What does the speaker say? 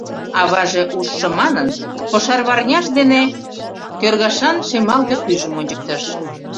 Аваже ужшо манын, кошарварняж дене кӧргашан шемалге пӱйжым ончыктыш.